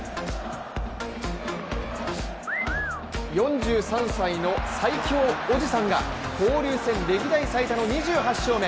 ４３歳の最強おじさんが交流戦歴代最多の２８勝目。